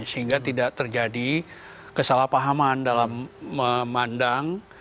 sehingga tidak terjadi kesalahpahaman dalam memandang